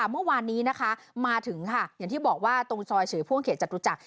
เมื่อวานนี้นะคะมาถึงค่ะอย่างที่บอกว่าตรงซอยเฉยพ่วงเขตจตุจักร